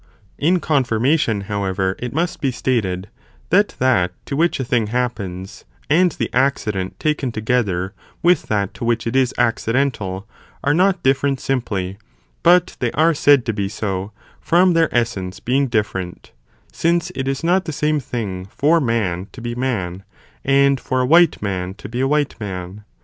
In confirmation however it must be stated, that that to which a thing happens, and the accident taken together with that to which it is accidental, are not different simply, but they are said to be so from their essence being different, since it is not the same thing for man to be man, and for a white man to be a white man.'!